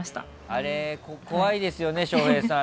あれ怖いですよね、翔平さん。